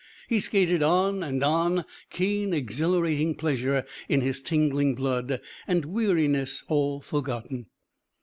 He skated on and on, keen exhilarating pleasure in his tingling blood, and weariness all forgotten.